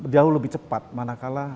jauh lebih cepat manakala